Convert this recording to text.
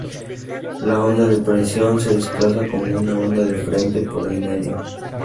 La onda de presión se desplaza como una "onda de frente" por el medio.